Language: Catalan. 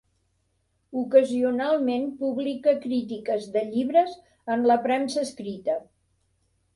Ocasionalment publica crítiques de llibres en la premsa escrita.